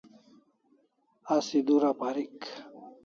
Asi dura parik